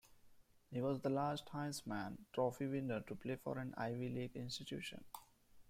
He was the last Heisman Trophy winner to play for an Ivy League institution.